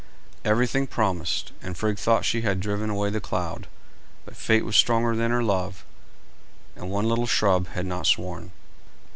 Everything promised, and Frigg thought she had driven away the cloud; but fate was stronger than her love, and one little shrub had not sworn.